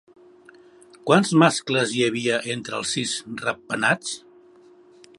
Quants mascles hi havia entre els sis ratpenats?